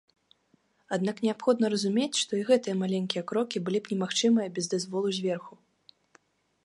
Аднак неабходна разумець, што і гэтыя маленькія крокі былі б немагчымыя без дазволу зверху.